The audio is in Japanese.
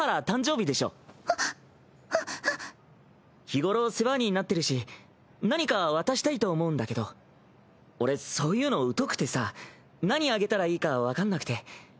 日頃世話になってるし何か渡したいと思うんだけど俺そういうの疎くてさ何あげたらいいか分かんなくて。